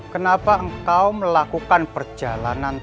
kenapa engkau melakukan perjalanan